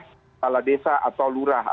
kepala desa atau lurah